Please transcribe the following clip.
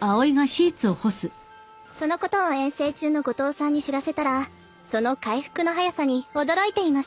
［そのことを遠征中の後藤さんに知らせたらその回復の早さに驚いていました］